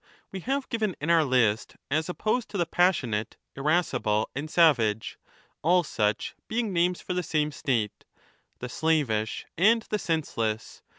j We have given in our list ^ as opposed to the passionate, irascible, and savage — all such lo being naoies for the same state — the slavish and the sense less.